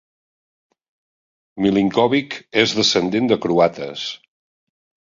Milinkovic és descendent de croates.